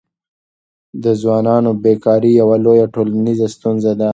د ځوانانو بېکاري یوه لویه ټولنیزه ستونزه ده.